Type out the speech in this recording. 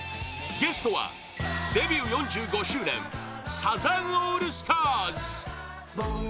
ゲストはデビュー４５周年サザンオールスターズ